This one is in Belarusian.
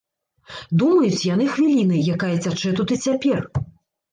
Думаюць яны хвілінай, якая цячэ тут і цяпер.